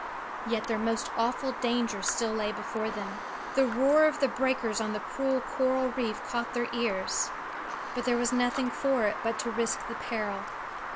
Yet their most awful danger still lay before them. The roar of the breakers on the cruel coral reef caught their ears. But there was nothing for it but to risk the peril.